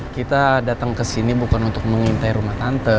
kita datang kesini bukan untuk mengintai rumah tante